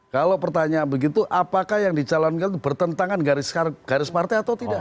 kalau pertanyaan begitu apakah yang dicalonkan itu bertentangan garis partai atau tidak